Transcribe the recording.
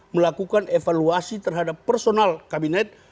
melakukan evaluasi terhadap personal kabinet